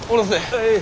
はい。